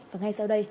và ngay sau đây